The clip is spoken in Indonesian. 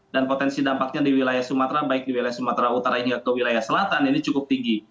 dan potensi dampaknya di wilayah sumatera baik di wilayah sumatera utara hingga ke wilayah selatan ini cukup tinggi